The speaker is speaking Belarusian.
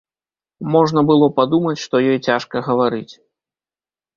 Можна было падумаць, што ёй цяжка гаварыць.